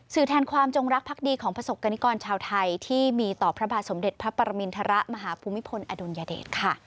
แทนความจงรักพักดีของประสบกรณิกรชาวไทยที่มีต่อพระบาทสมเด็จพระปรมินทรมาฮภูมิพลอดุลยเดชค่ะ